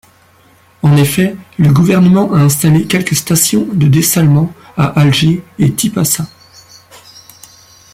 En effet, le gouvernement a installé quelques stations de dessalement à Alger et Tipasa.